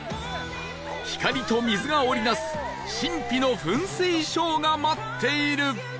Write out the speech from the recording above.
光と水が織り成す神秘の噴水ショーが待っている